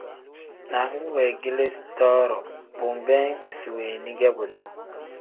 Naaru weegeleezi too-ro bo nbeem isi weeni ge buduu.